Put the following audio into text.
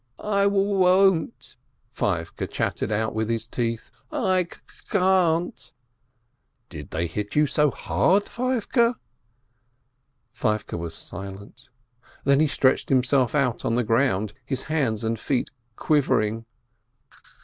"I won't" — Feivke clattered out with his teeth — "I c a n 't— " "Did they hit you so hard, Feivke ?" Feivke was silent. Then he stretched himself out on the ground, his hands and feet quivering.